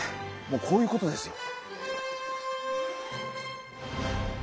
もうこういうことですよ。